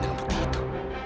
dengan bukti itu